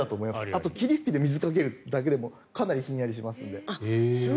あと霧吹きで水をかけるだけでもかなりひんやりしますので。